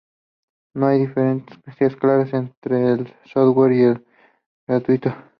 No hay una diferencia clara entre el "shareware" y lo gratuito.